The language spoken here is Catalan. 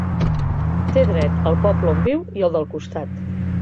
Té dret al poble on viu i al del costat.